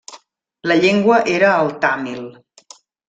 La llengua era el tàmil.